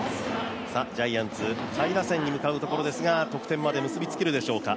ジャイアンツ下位打線に向かうところですが得点まで結びつけるでしょうか。